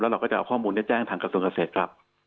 เราก็จะเอาข้อมูลนี้แจ้งทางกระทรวงเกษตรครับ